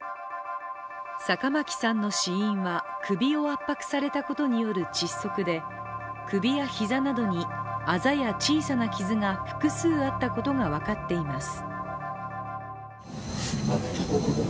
坂巻さんの死因は、首を圧迫されたことによる窒息で首や膝などにあざや小さな傷が複数あったことが分かっています。